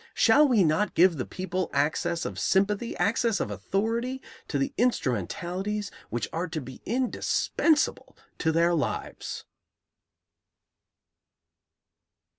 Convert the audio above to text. Shall we not give the people access of sympathy, access of authority, to the instrumentalities which are to be indispensable to their lives?